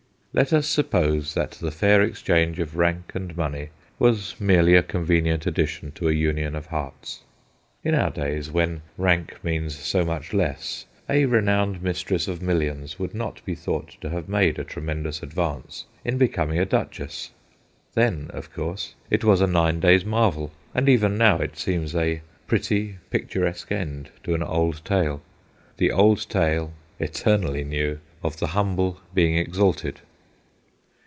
Let us suppose that the fair exchange of rank and money was merely a convenient addition to a union of hearts. In our days, when rank means so much less, a renowned mistress of millions would not be thought to have made a tremendous advance in becoming a duchess. Then, of course, it was a nine days' marvel, and even now it seems a pretty, picturesque end to an old tale the old tale, eternally new, of the humble being exalted.